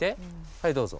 はいどうぞ！